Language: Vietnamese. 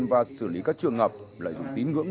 và xử lý các trường hợp lợi dụng tín ngưỡng